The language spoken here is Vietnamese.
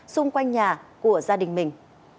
xung quanh nhà của gia đình mình